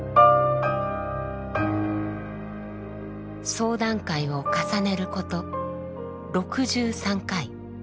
相談会を重ねること６３回。